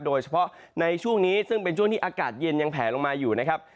โดยเฉพาะในช่วงนี้ซึ่งเป็นช่วงที่อากาศเย็นยังแผลลงมาอยู่นะครับ